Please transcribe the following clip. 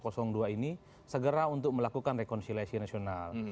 kelompok dua ini segera untuk melakukan rekonsilesi nasional